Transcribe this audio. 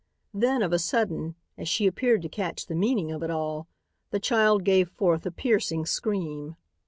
Then, of a sudden, as she appeared to catch the meaning of it all, the child gave forth a piercing scream.